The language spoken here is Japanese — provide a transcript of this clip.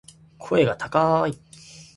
声が高い